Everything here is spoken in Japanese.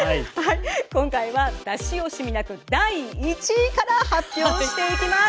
今回は出し惜しみなく第１位から発表していきます！